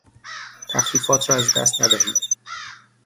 تخفیفات را از دست ندهید